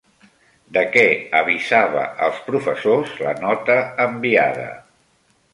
De què avisava als professors la nota enviada?